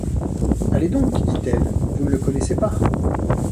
Allez donc, dit-elle, vous ne le connaissez pas…